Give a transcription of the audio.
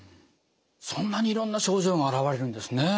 そんなにいろんな症状が現れるんですね。